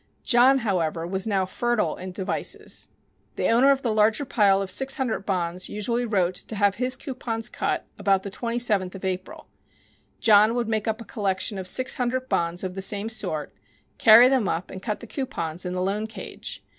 John, however, was now fertile in devices. The owner of the larger pile of six hundred bonds usually wrote to have his coupons cut about the twenty seventh of April. John would make up a collection of six hundred bonds of the same sort, carry them up and cut the coupons in the loan cage.